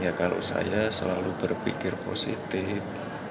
ya kalau saya selalu berpikir positif